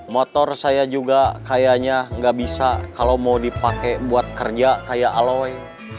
motor saya juga kayaknya nggak bisa kalau mau dipakai buat kerja kayak aloy